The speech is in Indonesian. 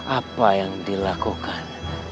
apa yang dilakukan